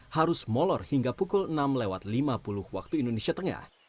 harus molor hingga pukul enam lewat lima puluh waktu indonesia tengah